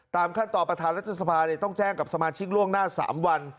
ขั้นตอนประธานรัฐสภาต้องแจ้งกับสมาชิกล่วงหน้า๓วัน